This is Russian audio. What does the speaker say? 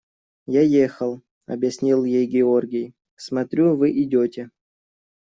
– Я ехал, – объяснил ей Георгий, – смотрю, вы идете.